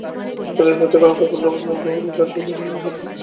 এতে সভাপতিত্ব করবেন ধর্মমন্ত্রী ও জাতীয় চাঁদ দেখা কমিটির সভাপতি মতিউর রহমান।